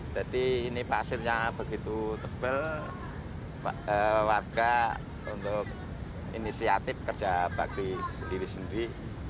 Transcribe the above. jadi ini pasirnya begitu tebal warga untuk inisiatif kerja pagi sendiri sendiri